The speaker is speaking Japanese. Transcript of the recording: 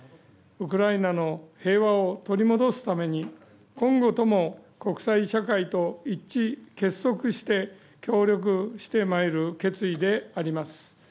ウクライナの平和を取り戻すために、今後とも国際社会と一致結束して協力してまいる決意であります。